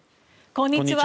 こんにちは。